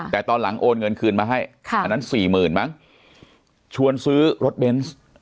แต่ตอนหลังโอนเงินคืนมาให้อันนั้น๔๐๐๐๐บาทชวนซื้อรถเบนส์